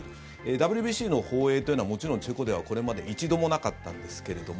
ＷＢＣの放映というのはもちろんチェコではこれまで一度もなかったんですけれども。